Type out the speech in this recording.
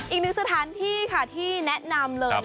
อีกหนึ่งสถานที่ค่ะที่แนะนำเลย